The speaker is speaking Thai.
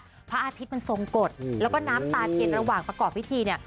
คืออารหิตมันทรงกตแล้วก็น้ำตาแถดระหว่างประกอบวิธีเนี่ย